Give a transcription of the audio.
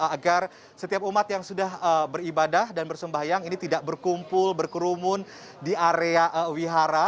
agar setiap umat yang sudah beribadah dan bersembahyang ini tidak berkumpul berkerumun di area wihara